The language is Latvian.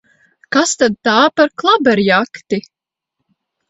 Kas tad tā par klaberjakti!